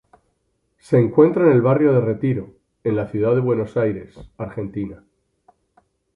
Se encuentra en el barrio de Retiro, en la ciudad de Buenos Aires, Argentina.